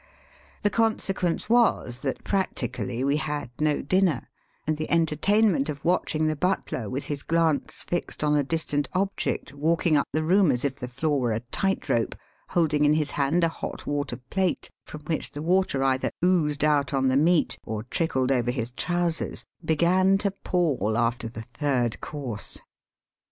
The consequence was that practially we had no dinner, and the entertainment of watching the butler, with his glance fixed on a distant object, walking up the room as if the floor were a tight rope, holding in his hand a hot water plate, from which the water either oozed out on the meat or trickled over his trousers, began to pall after the third course.